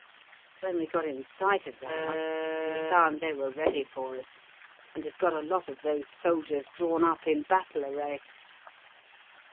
"When we got in sight of the house, we found they were ready for us, and had got a lot of those soldiers drawn up in battle array.